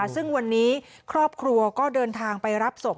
ซึ่งวันนี้ครอบครัวก็เดินทางไปรับศพ